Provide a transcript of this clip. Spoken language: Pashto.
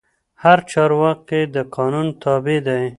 هر چارواکی د قانون تابع دی